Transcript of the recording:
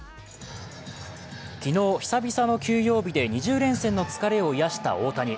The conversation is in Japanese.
昨日、久々の休養日で２０連戦の疲れを癒した大谷。